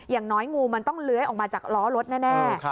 อย่างน้อยงูมันต้องเลื้อยออกมาจากล้อรถแน่